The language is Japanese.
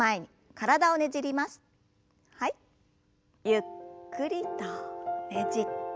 ゆっくりとねじって。